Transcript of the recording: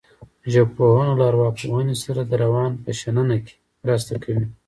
ژبپوهنه له ارواپوهنې سره د روان په شننه کې مرسته کوي